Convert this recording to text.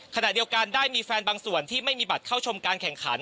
ขณะเดียวกันได้มีแฟนบางส่วนที่ไม่มีบัตรเข้าชมการแข่งขัน